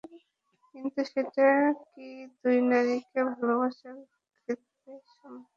কিন্তু সেটা কি দুই নারীকে ভালোবাসার ক্ষেতে সমান?